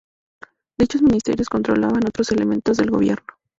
Dichos ministerios controlaban otros elementos del gobierno.